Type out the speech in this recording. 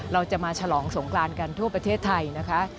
เราจะมาฉลองสงกรานกันทั่วประเทศไทยนะคะ